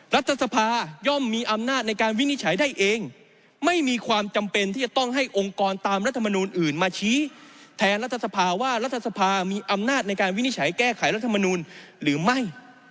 รัฐสภาย่อมมีอำนาจในการวินิจฉัยได้เองไม่มีความจำเป็นที่จะต้องให้องค์กรตามรัฐมนูลอื่นมาชี้แทนรัฐสภาว่ารัฐสภามีอำนาจในการวินิจฉัยแก้ไขรัฐมนูลหรือไม่